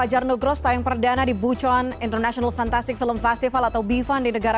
halo semuanya apa kabar